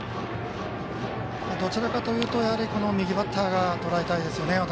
どちらかというとこの右バッターがとらえたいですね。